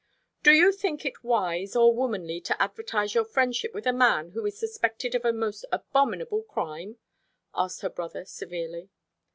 "Do you think it wise or womanly to advertise your friendship with a man who is suspected of a most abominable crime?" asked her brother severely.